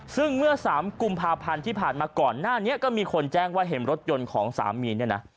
ซึ่งเมื่อ๓กุมภาพันธ์ที่ผ่านมาก่อนหน้านี้ก็มีคนแจ้งว่าเห็นรถยนต์ของสามีเนี่ยนะ